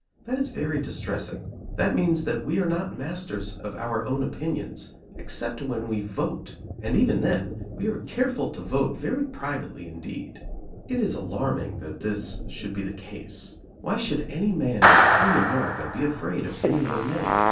That is very distressing. That means that we are not masters of our own opinions, except when we vote, and even then we are careful to vote very privately indeed. It is alarming that this should be the case. Why should any man in free America be afraid of any other man?